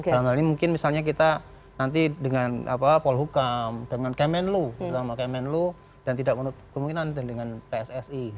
dalam hal ini mungkin misalnya kita nanti dengan polhukam dengan kemenlu bersama kemenlu dan tidak menutup kemungkinan dengan pssi